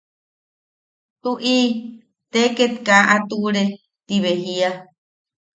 –Tuʼi, te ket kaa a tuʼure. Ti bea jiia.